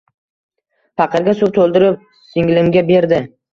Paqirga suv toʻldirib singlimga berdi.